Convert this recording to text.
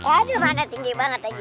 aduh mana tinggi banget lagi